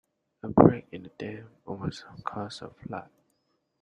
A break in the dam almost caused a flood.